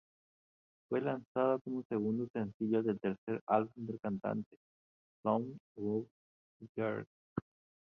Fue lanzado como segundo sencillo del tercer álbum del cantante, "Songs about girls".